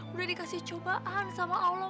udah dikasih cobaan sama allah